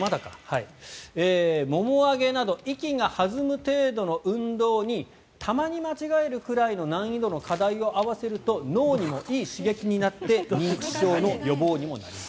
もも上げなど息が弾む程度の運動にたまに間違えるくらいの難易度の課題を合わせると脳にもいい刺激になって認知症の予防にもなります。